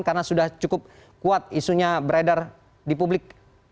karena sudah cukup kuat isunya beredar di publik